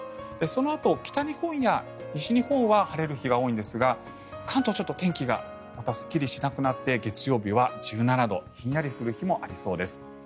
そのあと北日本や西日本は晴れる日が多いんですが関東、ちょっと天気がまたすっきりしなくなって月曜日は１７度ひんやりする日もありそうです。